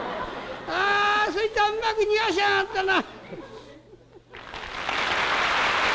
そいつはうまく逃がしやがったな」。